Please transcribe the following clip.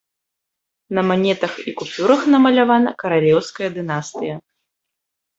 На манетах і купюрах намалявана каралеўская дынастыя.